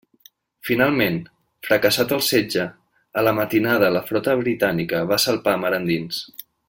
Finalment, fracassat el setge, a la matinada la flota britànica va salpar mar endins.